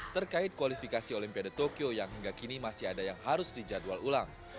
terkait kualifikasi olimpiade tokyo yang hingga kini masih ada yang harus dijadwal ulang